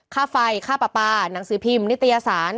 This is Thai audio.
ค่าไฟค่าปลาปลาหนังสือพิมพ์นิตยสาร